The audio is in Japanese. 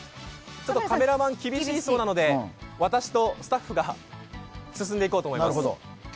カメラマン、厳しいそうなので、私とスタッフが進んでいこうと思います。